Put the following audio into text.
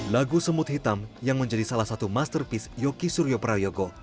lagu semut hitam yang menjadi salah satu masterpiece yoki suryo prayogo